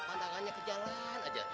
pandangannya ke jalan aja